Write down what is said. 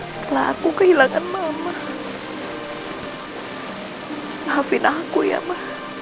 setelah aku kehilangan mama maafin aku ya ma